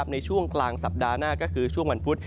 ในช่วงกลางสัปดาห์หน้าก็คือช่วงวันพุธ